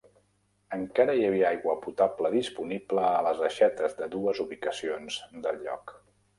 Encara hi havia aigua potable disponible a les aixetes de dues ubicacions del lloc.